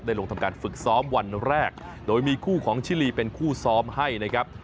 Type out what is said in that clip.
ลงทำการฝึกซ้อมวันแรกโดยมีคู่ของชิลีเป็นคู่ซ้อมให้นะครับ